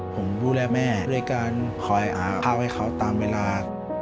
ผมดูแลแม่ด้วยการคอยหาข้าวให้เขาตามเวลา